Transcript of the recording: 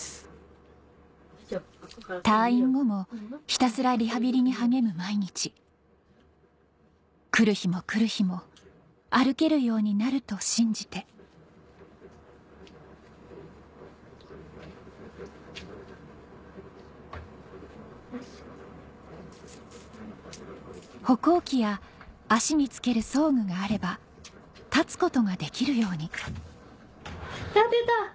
退院後もひたすらリハビリに励む毎日来る日も来る日も歩けるようになると信じて歩行器や足に付ける装具があれば立つことができるように立てた！